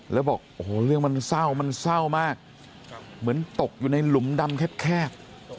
แล้วบอกโอ้โหเรื่องมันเศร้ามันเศร้ามากเหมือนตกอยู่ในหลุมดำแคบ